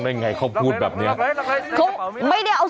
ช่วยเจียมช่วยเจียมช่วยเจียม